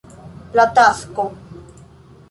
La Tasko.